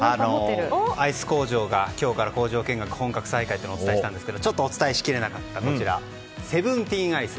アイス工場が今日から工場見学本格再開とお伝えしましたがちょっとお伝えしきれなかったセブンティーンアイス。